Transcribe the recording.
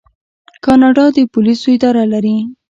کاناډا د پولیسو اداره لري.